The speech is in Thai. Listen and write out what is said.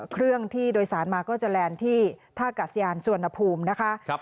เครื่องที่โดยสารมาก็จะแลนด์ที่ท่ากาศยานสุวรรณภูมินะคะ